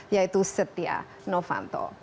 yaitu setia novanto